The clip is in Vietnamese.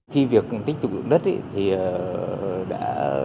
khi việc tích tụ dưỡng đất thì đã